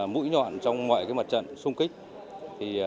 mũi nhọn trong mọi mặt trận sung kích